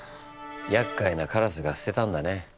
やっかいなカラスが捨てたんだね。